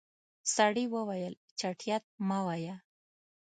سړی وويل چټياټ مه وايه.